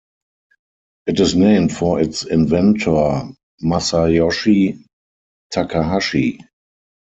It is named for its inventor, Masayoshi Takahashi.